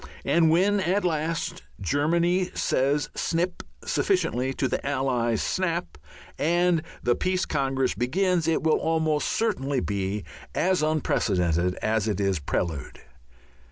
And when at last Germany says snip sufficiently to the Allies' snap, and the Peace Congress begins, it will almost certainly be as unprecedented as its prelude.